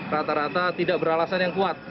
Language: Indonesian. rata rata tidak beralasan yang kuat